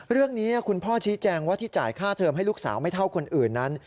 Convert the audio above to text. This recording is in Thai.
เรื่องนี้คุณพ่อชี้แจงว่าที่จ่ายค่าเทอมให้ลูกสาวไม่เท่าคนอื่นนั้น